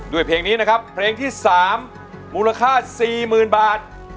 เพลงนี้นะครับเพลงที่๓มูลค่า๔๐๐๐บาท